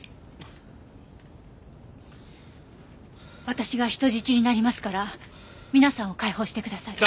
私が人質になりますから皆さんを解放してください。